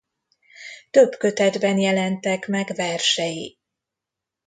Több kötetben jelentek meg versei.